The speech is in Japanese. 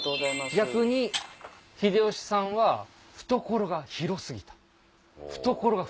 逆に秀吉さんは懐が広過ぎた懐が深過ぎた。